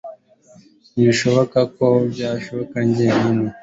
Ntibishoboka ko mbikora njyenyine